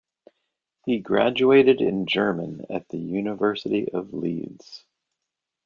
He graduated in German at the University of Leeds.